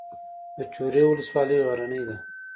د چوره ولسوالۍ غرنۍ ده